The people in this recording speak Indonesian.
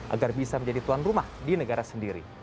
agar bisa menjadi tuan rumah di negara sendiri